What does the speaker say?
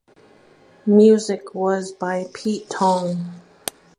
Music was by Pete Tong.